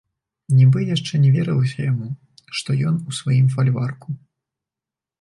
Нібы яшчэ не верылася яму, што ён у сваім фальварку.